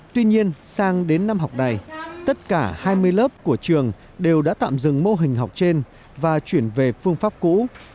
tuy nhiên sang đến năm học này tất cả hai mươi lớp của trường đều đã tạm dừng mô hình học trên và chuyển về phương pháp cũ